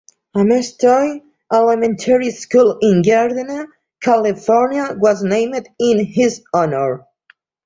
Amestoy Elementary School in Gardena, California was named in his honor.